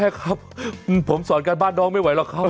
ครับผมสอนการบ้านน้องไม่ไหวหรอกครับ